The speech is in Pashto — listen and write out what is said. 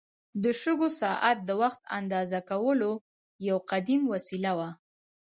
د شګو ساعت د وخت اندازه کولو یو قدیم وسیله وه.